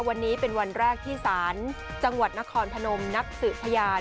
วันนี้เป็นวันแรกที่ศาลจังหวัดนครพนมนักสืบพยาน